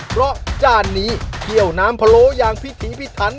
เพราะจานนี้เคี่ยวน้ำพะโล้อย่างพิถีพิถัน